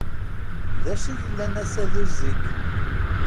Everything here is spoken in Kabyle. D acu yellan ass-a d uzzig?